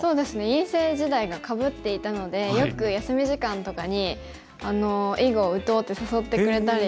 院生時代がかぶっていたのでよく休み時間とかに囲碁を打とうって誘ってくれたり